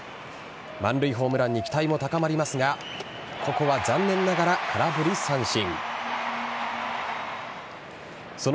満塁ホームランに期待も高まりますがここは残念ながら空振り三振。